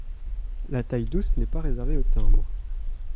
La taille-douce n’est pas réservée au timbre.